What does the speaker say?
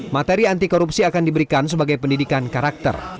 materi anti korupsi akan diberikan sebagai pendidikan karakter